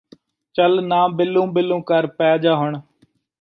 ਚੱਲ ਨਾ ਬਿਲੂੰ ਬਿਲੂੰ ਕਰ ਪੈ ਜਾਹ ਹੁਣ